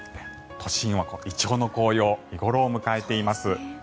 都心はイチョウの紅葉が見頃を迎えています。